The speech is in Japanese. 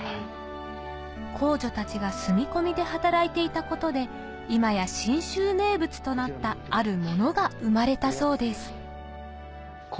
工女たちが住み込みで働いていたことで今や信州名物となったあるものが生まれたそうです